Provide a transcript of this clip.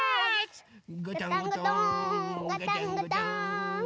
ガタンゴトーンガタンゴトーン。